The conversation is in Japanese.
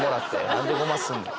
何でごますんねん。